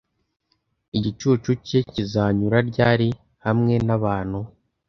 igicucu cye kizanyura ryari hamwe nabantu